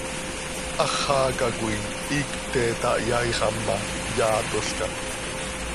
Háxaca coi iicp pte tayaaixam ma, yaatolca.